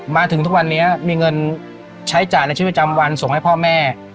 มาถึงทุกวันนี้มีเงินใช้จ่ายในชีวิตประจำวันส่งให้พ่อแม่